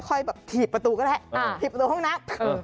ค่อยแบบถีบประตูก็ได้ถีบประตูห้องน้ำ